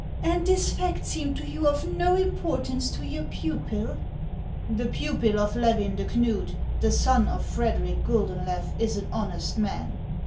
" And this fact seemed to you of no importance to your pupil ?"" The pupil of Levin de Knud, the son of Frederic Guldeulew, is an honest man.